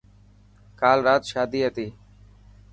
ڪال رات شادي هتي.